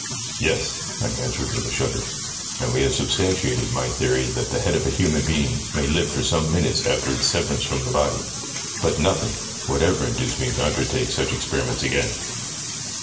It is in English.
'Yes,' I answered with a shudder, 'and we have sub stantiated my theory, that the head of a human being may live for some minutes after its severance from the body ; but nothing would ever induce me to undertake such experiments again.'